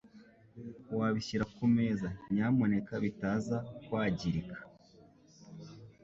Wabishyira kumeza, nyamuneka bitaza kwajyirika?